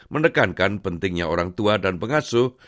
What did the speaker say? menekankan pentingnya orang tua dan pengasuh